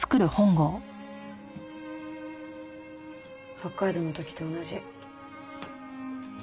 北海道の時と同じ。